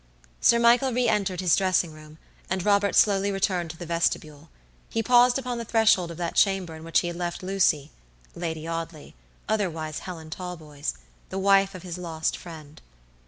Sir Michael re entered his dressing room, and Robert slowly returned to the vestibule. He paused upon the threshold of that chamber in which he had left LucyLady Audley, otherwise Helen Talboys, the wife of his lost friend.